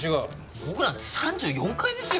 僕なんて３４階ですよ。